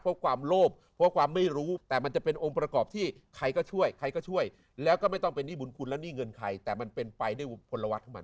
เพราะความโลภเพราะความไม่รู้แต่มันจะเป็นองค์ประกอบที่ใครก็ช่วยใครก็ช่วยแล้วก็ไม่ต้องเป็นหนี้บุญคุณแล้วนี่เงินใครแต่มันเป็นไปด้วยพลวัตรของมัน